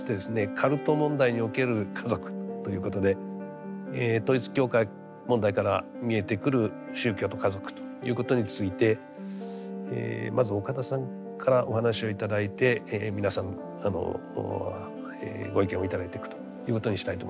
「カルト問題における家族」ということで統一教会問題から見えてくる宗教と家族ということについてまず岡田さんからお話を頂いて皆さんご意見を頂いていくということにしたいと思います。